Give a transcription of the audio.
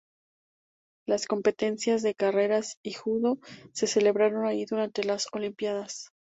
Las competencias de carreras y judo se celebraron allí durante las Olimpiadas.